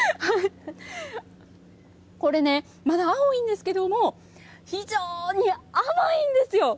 これね、まだ青いんですけども非常に甘いんですよ。